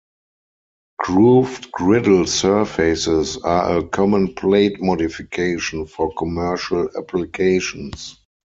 Grooved griddle surfaces are a common plate modification for commercial applications.